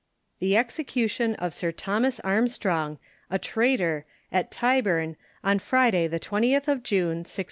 The EXECUTION of SIR THOMAS ARMSTRONG, A TRAYTOR, AT TYBURN, On FRIDAY, the Twentieth of June, 1684.